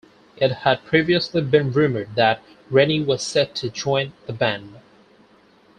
It had previously been rumoured that Reni was set to join the band.